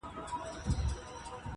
د قسمت کارونه ګوره بوډا جوړ سو-